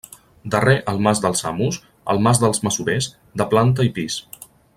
Darrer el mas dels amos, el mas dels masovers, de planta i pis.